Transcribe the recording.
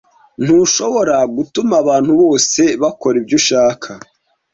Ntushobora gutuma abantu bose bakora ibyo ushaka.